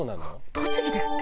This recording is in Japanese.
栃木ですって！